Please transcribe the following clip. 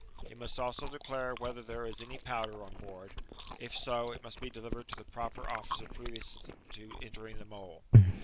He must also declare whether there is any powder on board; if so, it must be delivered to the proper officer jxrevious to entering the Mole.